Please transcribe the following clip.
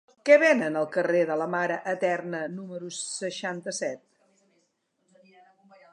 Què venen al carrer de la Mare Eterna número seixanta-set?